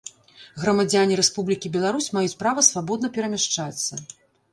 Грамадзяне Рэспублікі Беларусь маюць права свабодна перамяшчацца.